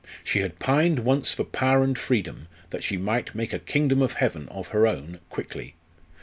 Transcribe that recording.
She had pined once for power and freedom, that she might make a Kingdom of Heaven of her own, quickly.